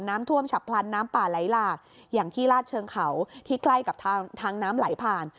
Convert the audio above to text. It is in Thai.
น้ำท่วมฉับพลันน้ำป่าไหลหลากอย่างที่ลาดเชิงเขาที่ใกล้กับทางน้ำไหลผ่าน